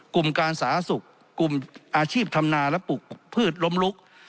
การสาธารณสุขกลุ่มอาชีพทำนาและปลูกพืชล้มลุก